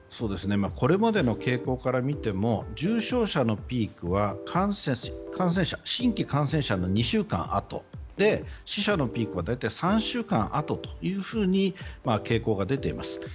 これまでの傾向から見ても重症者のピークは感染者、新規感染者の２週間後で死者のピークは大体、３週間あとというふうに傾向が出ています。